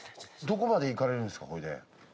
どこまで行かれるんですか？